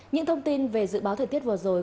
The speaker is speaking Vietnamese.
những thông tin về dự báo thời tiết vừa rồi